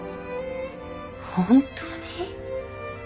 本当に？